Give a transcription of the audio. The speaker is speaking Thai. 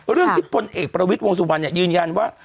เรื่องที่พลเอกประวิทย์วงสุวรรณยืนยันว่า